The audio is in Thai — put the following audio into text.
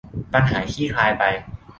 ปัญหาคลี่คลายไป